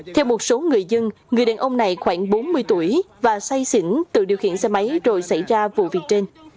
theo một số người dân người đàn ông này khoảng bốn mươi tuổi và say xỉn tự điều khiển xe máy rồi xảy ra vụ việc trên